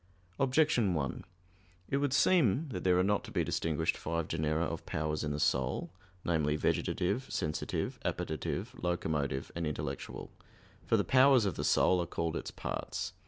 Objection 1: It would seem that there are not to be distinguished five genera of powers in the soul namely, vegetative, sensitive, appetitive, locomotive, and intellectual. For the powers of the soul are called its parts.